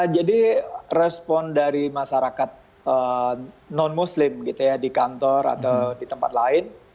jadi respon dari masyarakat non muslim di kantor atau di tempat lain